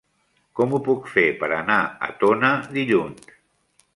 Com ho puc fer per anar a Tona dilluns?